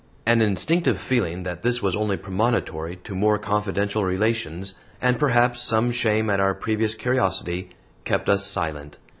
An instinctive feeling that this was only premonitory to more confidential relations, and perhaps some shame at our previous curiosity, kept us silent.